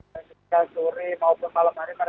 ketika sore maupun malam hari mereka kembali ke rumah